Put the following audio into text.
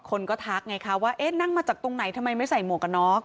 คนก็ทักไงคะว่าเอ๊ะนั่งมาจากตรงไหนทำไมไม่ใส่หมวกกันน็อก